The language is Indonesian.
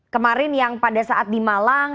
kemarin yang pada saat di malang